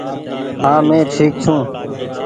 هآنٚ مينٚ ٺيڪ ڇوٚنٚ